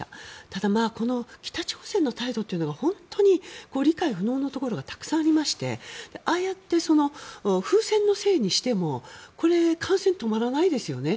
ただ、この北朝鮮の態度は本当に理解不能なところがたくさんありましてああやって風船のせいにしても感染は止まらないですよね。